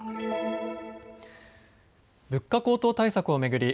物価高騰対策を巡り